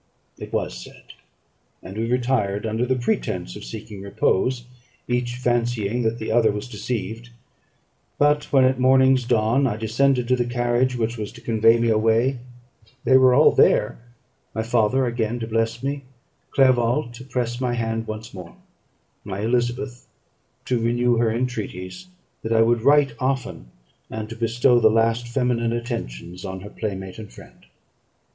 It was said; and we retired under the pretence of seeking repose, each fancying that the other was deceived: but when at morning's dawn I descended to the carriage which was to convey me away, they were all there my father again to bless me, Clerval to press my hand once more, my Elizabeth to renew her entreaties that I would write often, and to bestow the last feminine attentions on her playmate and friend.